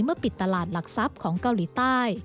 ปิดตลาดหลักทรัพย์ของเกาหลีใต้